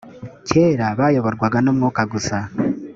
kera bayoborwaga n umwuka gusa